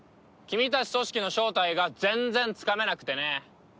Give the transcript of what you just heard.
君たち組織の正体が全然つかめなくてね。